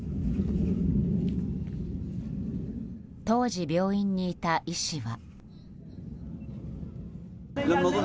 当時、病院にいた医師は。